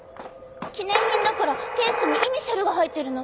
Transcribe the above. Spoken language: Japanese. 記念品だからケースにイニシャルが入ってるの。